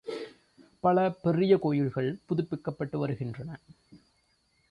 பல பெரிய கோயில்கள் புதுப்பிக்கப் பட்டும் வருகின்றன.